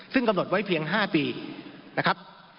ซึ่งกำหนดไว้เพียง๕ปีนะครับ